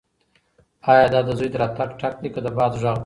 ایا دا د زوی د راتګ ټک دی که د باد غږ دی؟